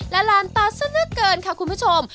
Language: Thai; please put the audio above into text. และลานตาซะละเกินค่ะคุณผู้ชม